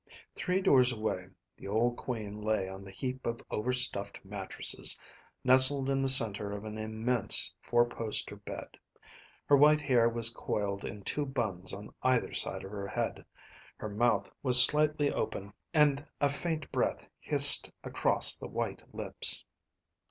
Three doors away, the old queen lay on the heap of over stuffed mattresses, nestled in the center of an immense four poster bed. Her white hair was coiled in two buns on either side of her head, her mouth was slightly open and a faint breath hissed across the white lips.